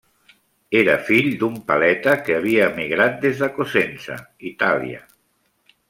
Era fill d'un paleta que havia emigrat des de Cosenza, Itàlia.